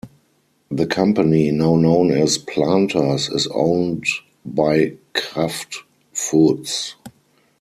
The company, now known as Planters, is owned by Kraft Foods.